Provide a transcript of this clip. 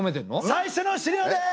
最初の資料です！